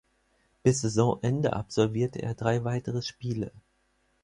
Bis Saisonende absolvierte er drei weitere Spiele.